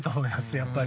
やっぱり。